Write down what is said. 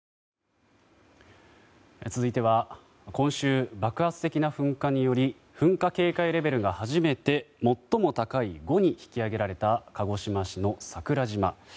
続いては今週、爆発的な噴火により噴火警戒レベルが初めて最も高い５に引き上げられた鹿児島市の桜島。